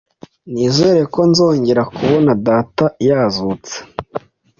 Nizera ko nzongera kubona data yazutse